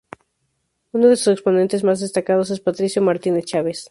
Uno de sus exponentes más destacados es Patricio Martínez Chávez.